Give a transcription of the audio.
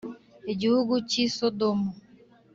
Igihugu cy i sodomu